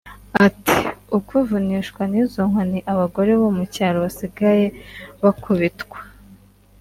Ati "Ukuvunishwa nizo nkoni abagore bo mu cyaro basigaye bakubitwa